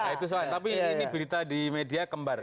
itu soal tapi ini berita di media kembar